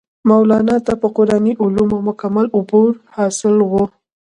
مولانا ته پۀ قرآني علومو مکمل عبور حاصل وو